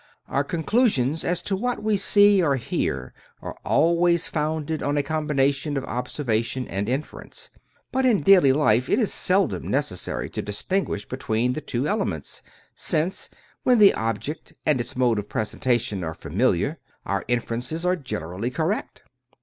Our conclusions as to what we see or hear are always founded on a combination of observa tion and inference ; but in daily life it is seldom necessary to distinguish between the two elements, since, when the object and its mode of presentation are familiar, our in ferences are generally correct.